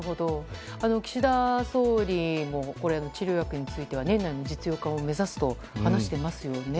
岸田総理も治療薬については年内の実用化を目指すと話していますよね。